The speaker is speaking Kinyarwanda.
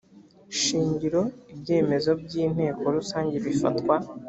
shingiro ibyemezo by inteko rusange bifatwa